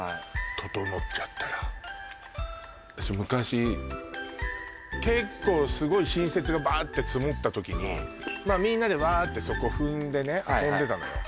ととのっちゃったら私昔結構すごい新雪がバーッて積もった時にみんなでわーってそこ踏んでね遊んでたのよ